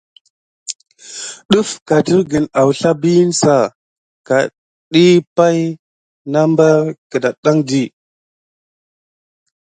Dəf katergən awsla biyin sa? Ka diy pay na bare kidanti.